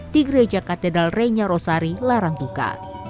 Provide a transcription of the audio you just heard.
di gereja katedral renya rosari larang tuka